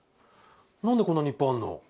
何でこんなにいっぱいあんの？